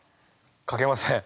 かけません。